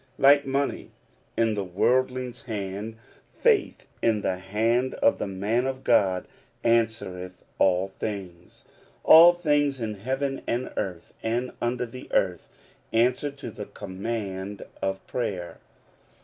Like money in the worldling's hand, faith in the hand of the man of God "answereth all things." All things in heaven, and earth, and under the earth, answer to the command of prayer.